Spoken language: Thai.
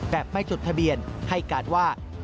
แบบไม่จดทะเบียนให้การว่า